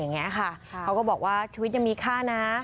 เขาก็บอกว่าชีวิตยังมีค่านะ